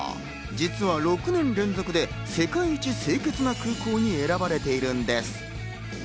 実は６年連続で世界一清潔な空港に選ばれているんです。